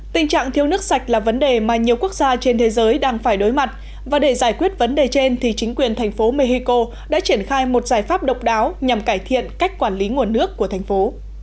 tình trạng thiếu nước sạch là vấn đề mà nhiều quốc gia trên thế giới đang phải đối mặt và để giải quyết vấn đề trên thì chính quyền thành phố mexico đã triển khai một giải pháp độc đáo nhằm cải thiện cách quản lý nguồn nước của thành phố